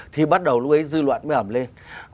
thì bắt đầu lúc ấy dư luận mới ẩm lên